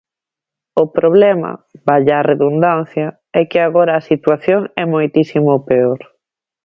O problema, valla a redundancia, é que agora a situación é moitísimo peor.